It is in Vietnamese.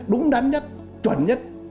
đúng đắn nhất chuẩn nhất